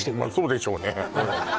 そうでしょうね